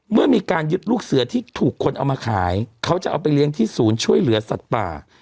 เมื่อมีการยึดลูกเสือที่ถูกคนเอามาขายเขาจะเอาไปเลี้ยงที่ศูนย์ช่วยเหลือสัตว์ป่า